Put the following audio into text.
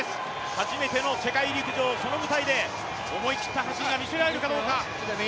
初めての世界陸上その舞台で思い切った走りが見せられるかどうか。